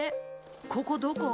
ここどこ？